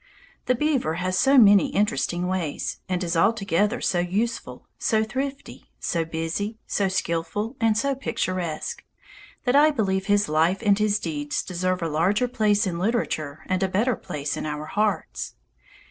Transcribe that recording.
The beaver has so many interesting ways, and is altogether so useful, so thrifty, so busy, so skillful, and so picturesque, that I believe his life and his deeds deserve a larger place in literature and a better place in our hearts.